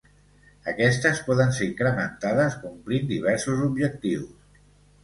Aquestes poden ser incrementades complint diversos objectius.